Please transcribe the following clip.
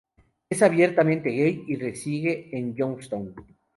Es abiertamente gay y reside en Youngstown.